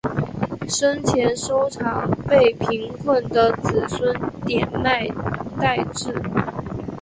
生前收藏被贫困的子孙典卖殆尽。